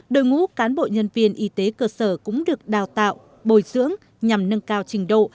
đội ngũ cán bộ nhân viên y tế cơ sở cũng được đào tạo bồi dưỡng nhằm nâng cao trình độ